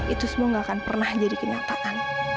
itu semua gak akan pernah jadi kenyataan